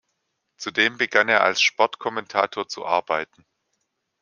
Zudem begann er als Sportkommentator zu arbeiten.